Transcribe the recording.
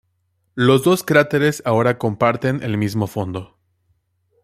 Los dos cráteres ahora comparten el mismo fondo.